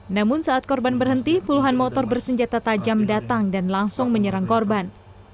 namun saat korban berhenti puluhan motor bersenjata tajam datang dan langsung menyerang korban